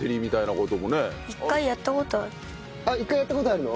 １回やった事あるの？